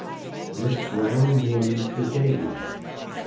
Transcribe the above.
MISS BROWN NAMES THE DAY.